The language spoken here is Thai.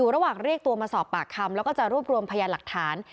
ระหว่างเรียกตัวมาสอบปากคำแล้วก็จะรวบรวมพยานหลักฐาน